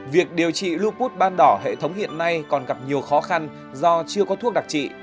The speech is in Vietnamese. việc điều trị lubus ban đỏ hệ thống hiện nay còn gặp nhiều khó khăn do chưa có thuốc đặc trị